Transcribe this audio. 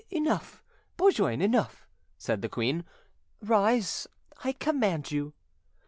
"Enough, Bourgoin, enough," said the queen; "rise, I command you."